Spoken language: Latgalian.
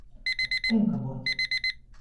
Tynkavuot.